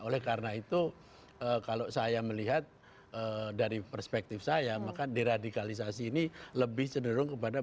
oleh karena itu kalau saya melihat dari perspektif saya maka deradikalisasi ini lebih cenderung kepada